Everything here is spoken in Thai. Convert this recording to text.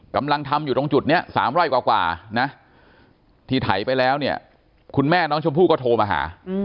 กำลังทำอยู่ตรงจุดนี้๓ไร่กว่านะที่ไถไปแล้วเนี่ยคุณแม่น้องชมพู่ก็โทรมาหา